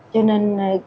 cho nên cái khả năng